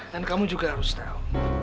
dan kamu juga harus tahu